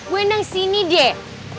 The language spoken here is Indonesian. bu endang sini deh